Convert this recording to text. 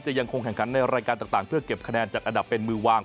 ยังคงแข่งขันในรายการต่างเพื่อเก็บคะแนนจากอันดับเป็นมือวาง